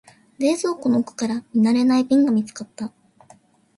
冷蔵庫の奥から見慣れない瓶が見つかった。